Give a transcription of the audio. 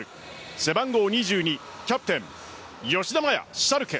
背番号２２キャプテン・吉田麻也シャルケ